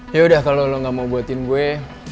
yaudah kalo lo ga mau buatin gue